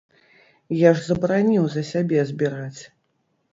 Я ж забараніў за сябе збіраць!